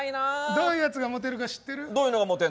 どういうやつがモテるか知ってる？